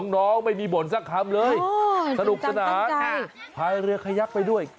น้องไม่มีบ่นสักคำเลยสนุกสนานพายเรือขยักไปด้วย